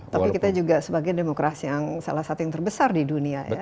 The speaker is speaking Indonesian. tapi kita juga sebagai demokrasi yang salah satu yang terbesar di dunia ya